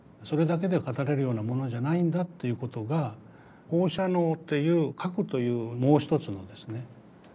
それだけで語れるようなものじゃないんだっていうことが放射能っていう核というもう一つのですね